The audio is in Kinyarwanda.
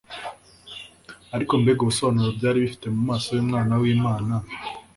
Ariko mbega ubusobanuro byari bifite mu maso y'Umwana w'Imana!